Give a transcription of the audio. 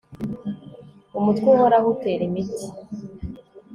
umutwe uhoraho utera imiti